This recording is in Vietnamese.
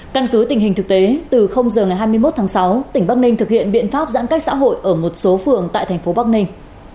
căn cứ tình hình thực tế từ giờ ngày hai mươi một tháng sáu tỉnh bắc ninh thực hiện biện pháp giãn cách xã hội ở một số phường tại thành phố bắc ninh